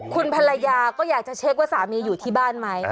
คุณภรรยาก็อยากจะเช็คว่าสามีอยู่ที่บ้านไหม